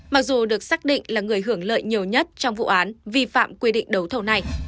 mặc dù được xác định là người hưởng lợi nhiều nhất trong vụ án vi phạm quy định đấu thầu này